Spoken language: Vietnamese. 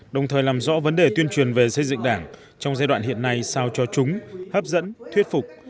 đồng thời làm rõ vấn đề tuyên truyền về xây dựng đảng trong giai đoạn hiện nay sao cho chúng hấp dẫn thuyết phục